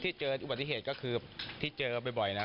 เจออุบัติเหตุก็คือที่เจอบ่อยนะ